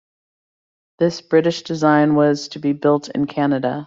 This British design was to be built in Canada.